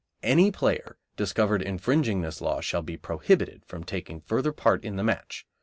Any player discovered infringing this law shall be prohibited from taking further part in the match.